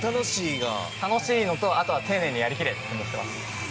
楽しいのと、あとは丁寧にやり切れって思っています。